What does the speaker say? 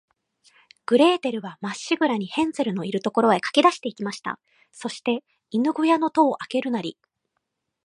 グレーテルは、まっしぐらに、ヘンゼルのいる所へかけだして行きました。そして、犬ごやの戸をあけるなり、